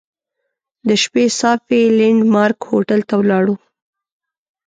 د شپې صافي لینډ مارک هوټل ته ولاړو.